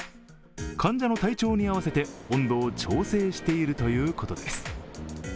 患者の体調に合わせて温度を調整しているということです。